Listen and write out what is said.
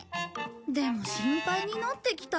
でも心配になってきた。